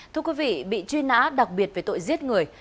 thưa quý vị bị truy nã đặc biệt về tội giết người